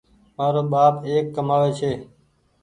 مآرو ٻآپ ايڪ ڪمآوي ڇي